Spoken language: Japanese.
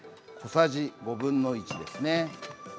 小さじ５分の１ですね。